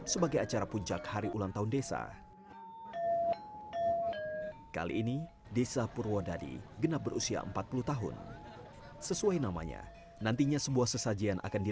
pertunjukan kesenian tradisional di malam hari